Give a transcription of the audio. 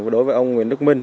đối với ông nguyễn đức minh